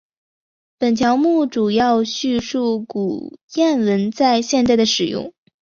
本条目主要叙述古谚文在现代的使用。